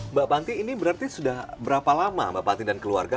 mbak panti ini berarti sudah berapa lama mbak panti dan keluarga